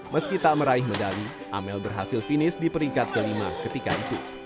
meski tak meraih medali amel berhasil finish di peringkat kelima ketika itu